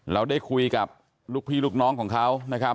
เราได้คุยกับลูกพี่ลูกน้องของเขานะครับ